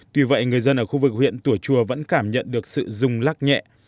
tuy vậy người dân ở khu vực huyện tùa chùa vẫn cảm nhận được sự rung lắc nhẹ